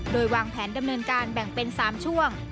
โดยวางแผนดำเนินการแบ่งเป็น๓ช่วง